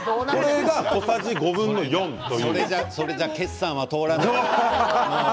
それで決算は通らない。